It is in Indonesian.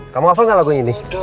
kamu hafal gak lagunya ini